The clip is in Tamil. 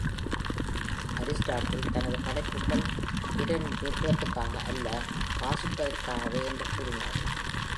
அரிஸ்டாட்டில் தனது படைப்புகள் பிரதிநிதித்துவத்திற்காக அல்ல, வாசிப்பதற்காகவே என்று கூறினார்.